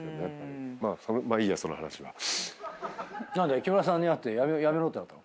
木村さんに会ってやめろって言われたの？